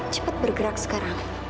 cepat bergerak sekarang